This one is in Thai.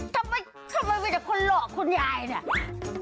ทำไมมีแต่คนหลอกคุณยายเนี่ย